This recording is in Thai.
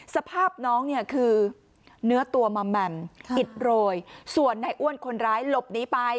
สภาพน้องเนี่ยคือเนื้อตัวมาแหม่มอิดโรยส่วนในอ้วนคนร้ายหลบหนีไป